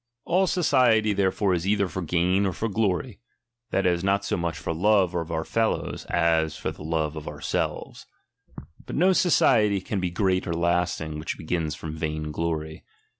All society therefore is either for gain, or for glory ; that is, not so much for love of onr fellows, as for the love of ourselves. But no society can be great or lasting, which begins from vain glory.